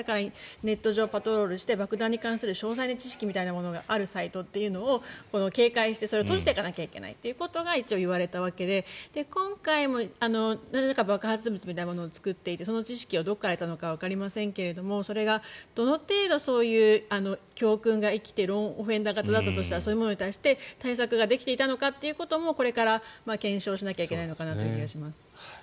ネット上をパトロールして爆弾に対する詳細な知識があるサイトを警戒して、閉じていかないといけないといわれたわけで今回もなんらか爆発物みたいなものを作っていてその知識をどこから得たのかわかりませんがそれがどの程度そういう教訓が生きてローンオフェンダー型だとしたらそういうものに対して対策ができていたのかということもこれから検証しなきゃいけないのかなという気がします。